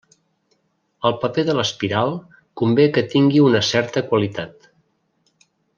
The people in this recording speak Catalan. El paper de l'espiral convé que tingui una certa qualitat.